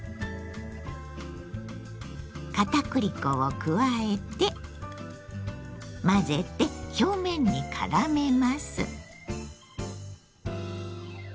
片栗粉を加えて混ぜて表面にからめます。